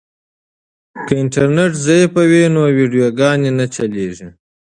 که انټرنیټ ضعیف وي نو ویډیوګانې نه چلیږي.